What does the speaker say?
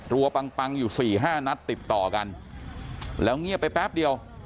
ปังปังอยู่สี่ห้านัดติดต่อกันแล้วเงียบไปแป๊บเดียว